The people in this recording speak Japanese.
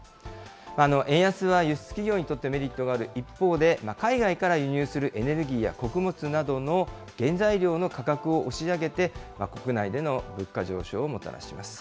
円安は輸出企業にとってメリットがある一方で、海外から輸入するエネルギーや穀物などの原材料の価格を押し上げて、国内での物価上昇をもたらします。